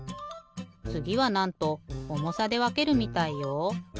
つぎはなんと重さでわけるみたいよ。